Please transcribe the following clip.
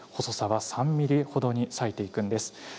細さは３ｍｍほどに裂いていくんです。